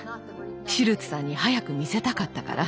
シュルツさんに早く見せたかったから。